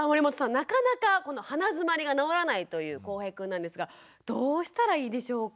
なかなかこの鼻づまりが治らないというこうへいくんなんですがどうしたらいいでしょうか？